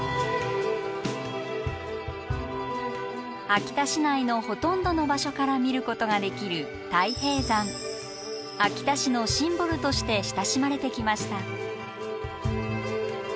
秋田市内のほとんどの場所から見ることができる秋田市のシンボルとして親しまれてきました。